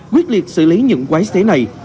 quyết liệt xử lý những quái xế này